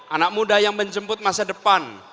anak muda yang menjemput masa depan